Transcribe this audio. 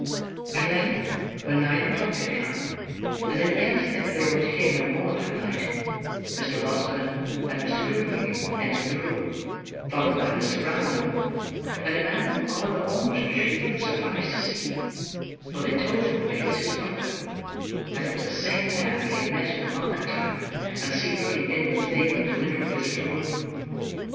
At length, when nine o'clock had come, and they began to think they were to hear no more that night, Mr. Losberne and Mr. Grimwig entered the room, followed by Mr. Brownlow and a man whom Oliver almost shrieked with surprise to see; for they told him it was his brother, and it was the same man he had met at the market town, and seen looking in with Fagin at the window of his little room.